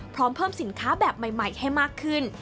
พร้อมเพิ่มสินค้าแบบใหม่ให้มากขึ้น